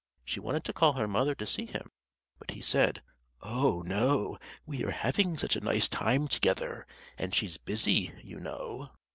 She wanted to call her mother to see him; but he said: "Oh! no; we are having such a nice time together, and she's busy, you know."